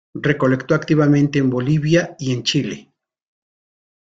Recolectó activamente en Bolivia y en Chile.